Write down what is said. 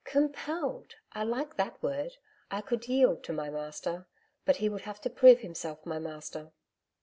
'Compelled! I like that word. I could yield to my master. But he would have to prove himself my master.'